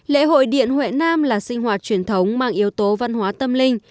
lễ hội điện huệ nam là sinh hoạt truyền thống mang yếu tố văn hóa tâm linh